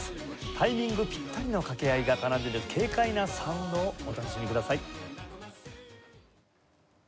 タイミングぴったりの掛け合いが奏でる軽快なサウンドをお楽しみください。